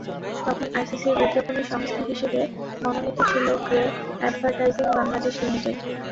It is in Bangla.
তখন আইসিসির বিজ্ঞাপনী সংস্থা হিসেবে মনোনীত ছিল গ্রে অ্যাডভারটাইজিং বাংলাদেশ লিমিটেড।